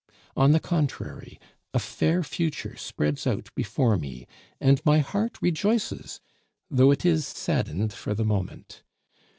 On the contrary, a fair future spreads out before me, and my heart rejoices though it is saddened for the moment.